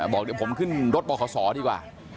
บอกเดี๋ยวผมขึ้นรถบขศดีกว่า